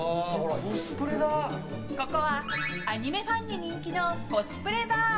ここはアニメファンに人気のコスプレバー。